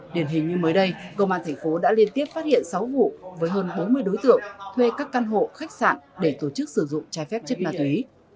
điển hình như mới đây công an thành phố đã liên tiếp phát hiện sáu vụ với hơn bốn mươi đối tượng thuê các căn hộ khách sạn để tổ chức sử dụng trái phép chất ma túy